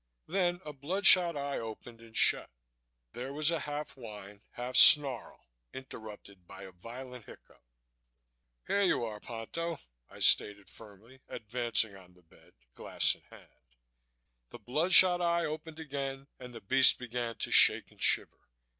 Then a blood shot eye opened and shut. There was a half whine, half snarl, interrupted by a violent hiccough. "Here you are, Ponto!" I stated firmly, advancing on the bed, glass in hand. The blood shot eye opened again and the beast began to shake and shiver.